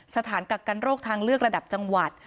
กักกันโรคทางเลือกระดับจังหวัด